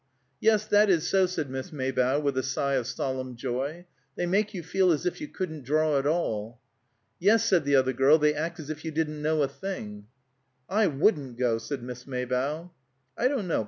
"Yes, that is so," said Miss Maybough, with a sigh of solemn joy. "They make you feel as if you couldn't draw at all." "Yes," said the other girl. "They act as if you didn't know a thing." "I wouldn't go," said Miss Maybough. "I don't know.